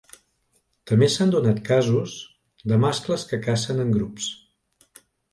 També s'han donat casos de mascles que cacen en grups.